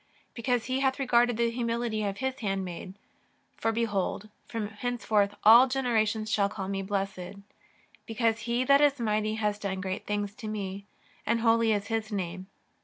Because He hath regarded the humility of His handmaid; for behold from henceforth all generations shall call me blessed. Because He that is mighty hath done great things to me, and holy is His name.